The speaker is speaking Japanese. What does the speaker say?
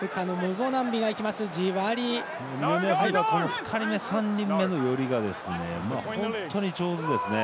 ２人、３人目の寄りが本当に上手ですね。